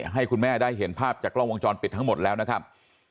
ให้คุณแม่ได้เห็นภาพจากกล้องวงจรปิดทั้งหมดแล้วนะครับ